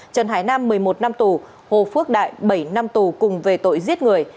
trần hải nam một mươi một năm tù hồ phước đại bảy năm tù cùng về tội giết người